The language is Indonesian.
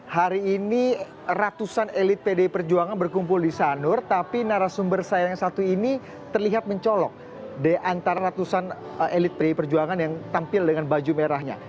hari ini ratusan elit pdi perjuangan berkumpul di sanur tapi narasumber saya yang satu ini terlihat mencolok di antara ratusan elit pdi perjuangan yang tampil dengan baju merahnya